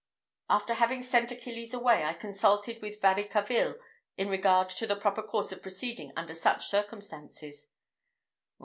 After having sent Achilles away, I consulted with Varicarville in regard to the proper course of proceeding under such circumstances.